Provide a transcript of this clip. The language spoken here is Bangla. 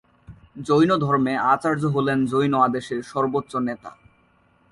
জৈনধর্মে, আচার্য হলেন জৈন আদেশের সর্বোচ্চ নেতা।